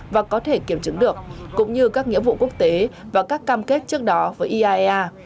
và có thể kiểm chứng được cũng như các nghĩa vụ quốc tế và các cam kết trước đó với iaea